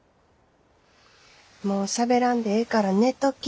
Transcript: もうしゃべらんでええから寝とき。